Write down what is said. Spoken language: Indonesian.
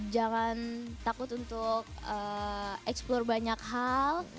jangan takut untuk eksplor banyak hal